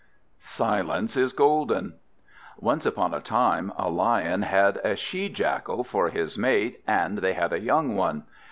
SILENCE IS GOLDEN Once upon a time a Lion had a she jackal for his mate, and they had a young one.